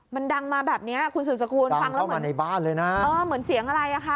มันดังมาแบบนี้คุณสื่อสกรูลดังเข้ามาในบ้านเลยนะเหมือนเสียงอะไรอ่ะคะ